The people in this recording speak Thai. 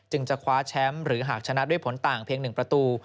จะคว้าแชมป์หรือหากชนะด้วยผลต่างเพียง๑ประตู